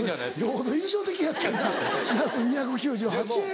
よほど印象的やったんやな「ナス２９８円」。